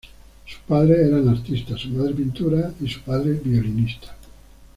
Sus padres eran artistas, su madre pintora y su padre violinista.